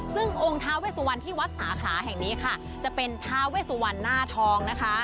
ซึ่งองค์ท้าเวสวันที่วัดสาขาแห่งนี้ค่ะจะเป็นทาเวสุวรรณหน้าทองนะคะ